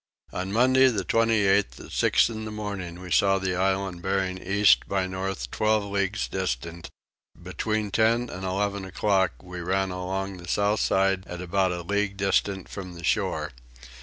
On Monday the 28th at six in the morning we saw the island bearing east by north 12 leagues distant: between 10 and 11 o'clock we ran along the south side at about a league distant from the shore.